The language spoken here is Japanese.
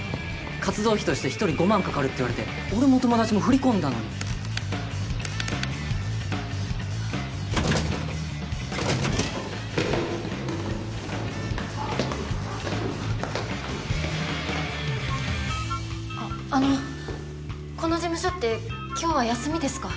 活動費として１人５万かかるって言われて俺も友達も振り込んだのにあっあのこの事務所って今日は休みですか？